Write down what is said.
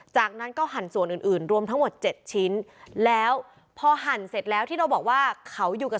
จากนั้นก็หั่นส่วนอื่นอื่นรวมทั้งหมด๗ชิ้นแล้วพอหั่นเสร็จแล้วที่เราบอกว่าเขาอยู่กับ